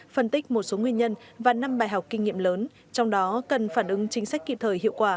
phân tích một số nguyên nhân và năm bài học kinh nghiệm lớn trong đó cần phản ứng chính sách kịp thời hiệu quả